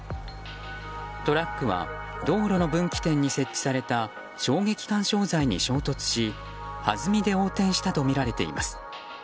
トラックは道路の分岐点に設置された衝撃緩衝材に衝突しはずみで横転したとみられています。